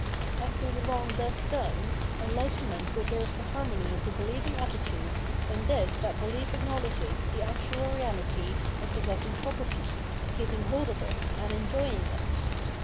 As to the wrong thus done, enlightenment preserves the harmony of the beheving attitude m this that belief acknowledges the actual reahty of possessing property, keeping hold of it, and enjoying it.